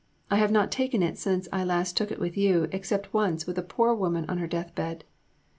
I have not taken it since I last took it with you, except once, with a poor woman on her death bed.